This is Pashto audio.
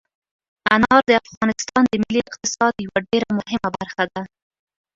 انار د افغانستان د ملي اقتصاد یوه ډېره مهمه برخه ده.